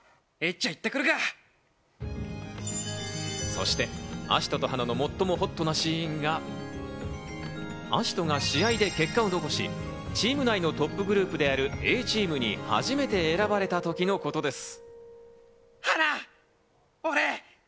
そして、葦人と花の最もほっとなシーンが、葦人が試合で結果を残し、チーム内のトップグループであるＡチームに初めて選ばれたときのことです。